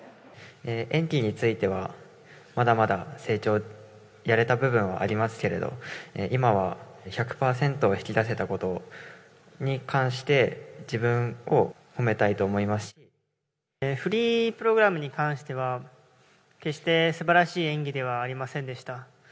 演技については、まだまだ成長、やれた部分はありますけれど、今は１００％を引き出せたことに関して、フリープログラムに関しては、決してすばらしい演技ではありませんでした。